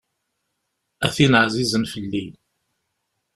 A tin εzizen fell-i.